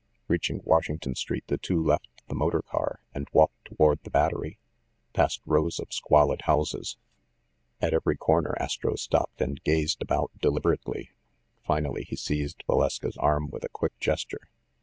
Reaching Washington Street, the two left the motor car and walked toward the Battery, past rows of squalid houses. At every corner Astro stopped and gazed about deliberately. Finally, he seized Valeska's arm with a quick ges ture.